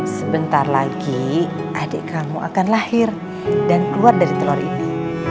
sebentar lagi adik kamu akan lahir dan keluar dari telur ini